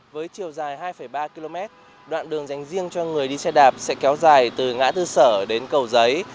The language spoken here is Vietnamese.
với chiều dài hai ba km đoạn đường dành riêng cho người đi xe đạp sẽ kéo dài từ ngã tư sở đến cầu giấy